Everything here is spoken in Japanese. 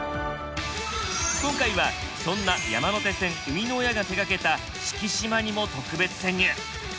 今回はそんな山手線生みの親が手がけた四季島にも特別潜入。